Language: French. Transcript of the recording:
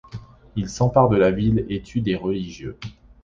Ils s'emparent de la ville et tuent des religieux.